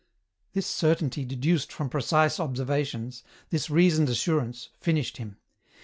This certainty deduced from precise observations, this reasoned assurance, finished him.